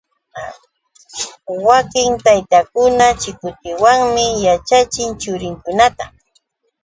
Wakin taytakuna chikutiwanmi yaćhachin churinkunata.